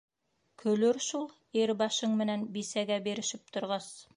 Көлөр шул, ир башың менән бисәгә бирешеп торғас!